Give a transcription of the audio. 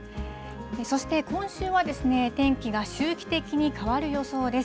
そして今週は、天気が周期的に変わる予想です。